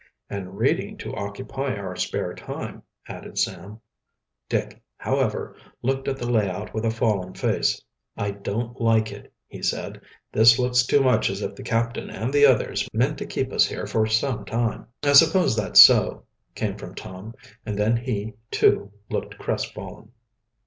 "And reading to occupy our spare time," added Sam. Dick, however, looked at the layout with a fallen face. "I don't like it," he said. "This looks too much as if the captain and the others meant to keep us here for some time." "I suppose that's so," came from Tom, and then he, too, looked crestfallen.